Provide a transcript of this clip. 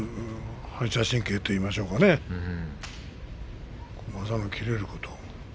反射神経といいますかね技の切れること。